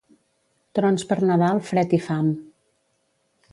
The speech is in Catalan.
Trons per Nadal, fred i fam.